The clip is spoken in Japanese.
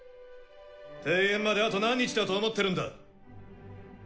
定演まであと何日だと思ってるんだ？